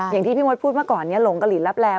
อย่างที่พี่มดพูดเมื่อก่อนนี้หลงกะหลินรับแรง